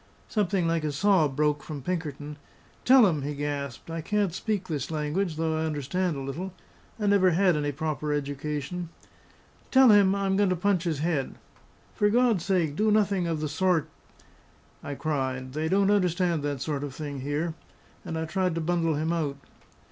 Something like a sob broke from Pinkerton. "Tell him," he gasped "I can't speak this language, though I understand a little; I never had any proper education tell him I'm going to punch his head." "For God's sake, do nothing of the sort!" I cried. "They don't understand that sort of thing here." And I tried to bundle him out.